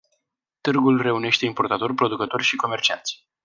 Târgul reunește importatori, producători și comercianți.